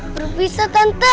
baru bisa tante